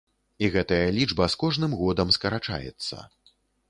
І гэтая лічба з кожным годам скарачаецца.